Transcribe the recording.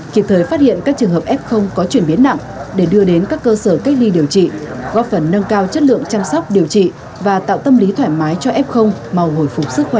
kịp thời phát hiện các trường hợp f có chuyển biến nặng để đưa đến các cơ sở cách ly điều trị góp phần nâng cao chất lượng chăm sóc điều trị và tạo tâm lý thoải mái cho f màu hồi phục sức khỏe